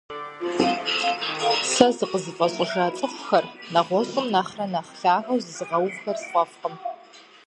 Сэ зыкъызыфӏэщӏыжа цӏыхухэр, нэгъуэщӏхэм нэхърэ нэхъ лъагэу зызыгъэувхэр сфӏэфӏкъым.